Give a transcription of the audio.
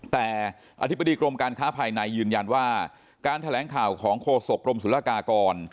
แต่อธิบดีกรมการค้าภายในยืนยันว่าการแถลงข่าวของโฆษกรมศุลกากร